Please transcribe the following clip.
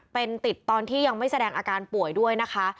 เป็นติดตอนที่ยังไม่แสดงอาการป่วยด้วยนะคะ